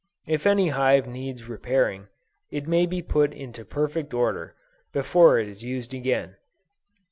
If any hive needs repairing, it may be put into perfect order, before it is used again.